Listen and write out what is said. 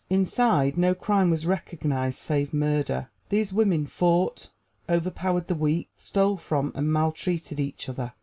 Inside, no crime was recognized save murder. These women fought, overpowered the weak, stole from and maltreated each other.